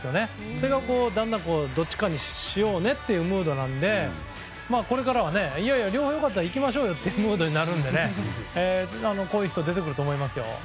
それが、だんだんどっちかにしようというムードなのでこれからは両方良かったら行きましょうということなのでこれから出てくると思います。